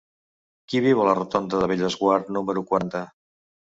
Qui viu a la rotonda de Bellesguard número quaranta?